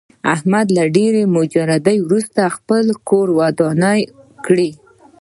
احمد له ډېرې مجردۍ ورسته خپل کور ودان کړ.